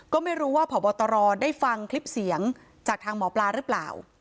ก็ไม่รู้ว่าผอบตรได้ฟังคลิปเสียงจากทางหมอปลาหรือเปล่า